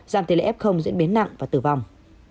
giảm tỷ lệ f diễn biến nặng và tử vong